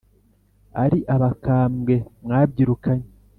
Ari abakambwe mwabyirukanye